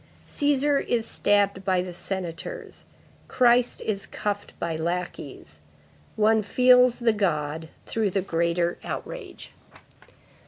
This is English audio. Cæsar is stabbed by the senators; Christ is cuffed by lackeys. One feels the God through the greater outrage."